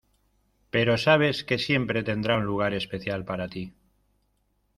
Pero sabes que siempre tendrá un lugar especial para ti.